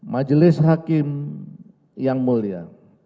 majelis hakim yang mulia